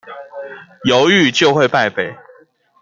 猶豫，就會敗北